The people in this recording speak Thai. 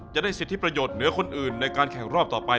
จะได้สิทธิประโยชน์เหนือคนอื่นในการแข่งรอบต่อไป